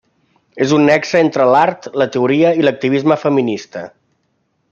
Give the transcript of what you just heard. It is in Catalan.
És un nexe entre l'art, la teoria i l'activisme feminista.